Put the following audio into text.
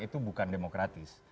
itu bukan demokratis